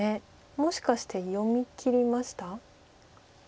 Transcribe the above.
もしかして読みきりました？